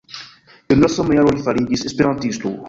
En la sama jaro li fariĝis esperantisto.